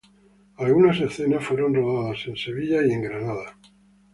Algunas escenas fueron rodadas en Sevilla y Granada.